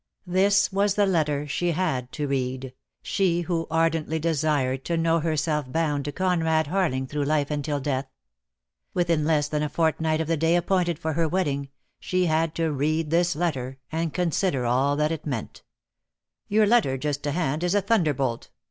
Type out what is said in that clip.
■.■■ This was the letter she had to read, she who ardently desired to know herself bound to Conrad Harling through life and till death. Within less than a fortnight of the day appointed for her wedding she had to read this letter and consider all that it meant: "Your letter, just to hand, is a thunderbolt.